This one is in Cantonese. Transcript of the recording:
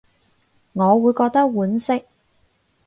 我會覺得婉惜